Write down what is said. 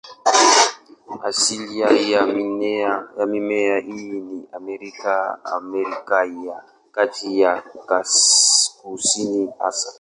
Asilia ya mimea hii ni Amerika, Amerika ya Kati na ya Kusini hasa.